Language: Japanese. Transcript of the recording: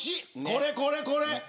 これこれこれ。